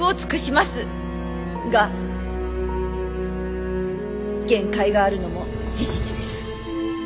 が限界があるのも事実です。